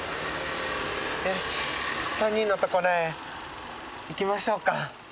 よし３人の所へ行きましょうか。